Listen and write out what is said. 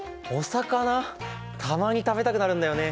たまに食べたくなるんだよね。